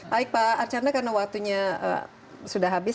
baik pak archandra karena waktunya sudah habis